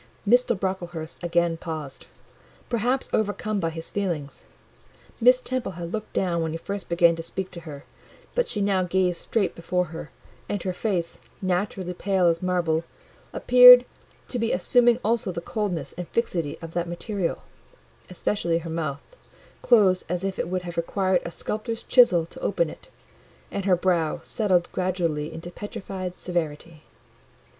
Mr. Brocklehurst again paused—perhaps overcome by his feelings. Miss Temple had looked down when he first began to speak to her; but she now gazed straight before her, and her face, naturally pale as marble, appeared to be assuming also the coldness and fixity of that material; especially her mouth, closed as if it would have required a sculptor's chisel to open it, and her brow settled gradually into petrified severity.